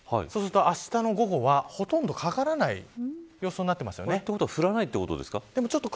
そうすると、あしたの午後はほとんどかからない予想になってますね。ということは降らないってことですか。